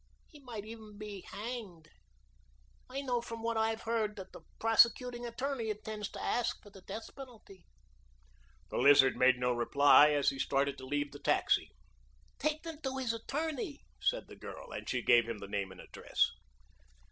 He might even be hanged. I know from what I have heard that the prosecuting attorney intends to ask for the death penalty." The Lizard made no reply as he started to leave the taxi. "Take them to his attorney," said the girl, and she gave him the name and address.